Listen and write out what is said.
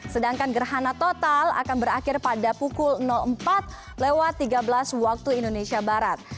sedangkan gerhana total akan berakhir pada pukul empat lewat tiga belas